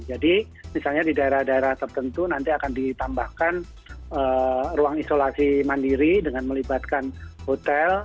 jadi misalnya di daerah daerah tertentu nanti akan ditambahkan ruang isolasi mandiri dengan melibatkan hotel